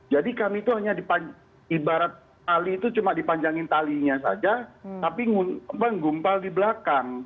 jadi kami itu hanya ibarat tali itu cuma dipanjangin talinya saja tapi menggumpal di belakang